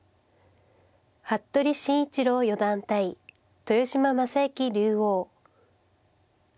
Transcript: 服部慎一郎四段対豊島将之竜王。